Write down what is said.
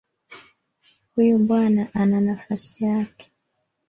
Huyu bwana ana nafasi yake